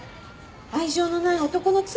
愛情のない男の妻。